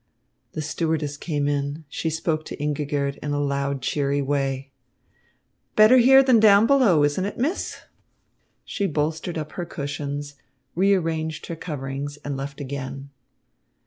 The stewardess came in. She spoke to Ingigerd in a loud, cheery way. "Better here than down below, isn't it, Miss?" She bolstered up her cushions, rearranged her coverings, and left again.